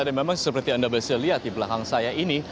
dan memang seperti anda bisa lihat di belakang saya ini